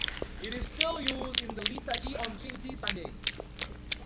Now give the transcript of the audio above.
It is still used in the liturgy on Trinity Sunday.